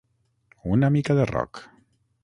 Una mica de rock!